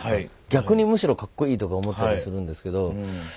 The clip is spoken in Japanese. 逆にむしろかっこいいとか思ったりするんですけど。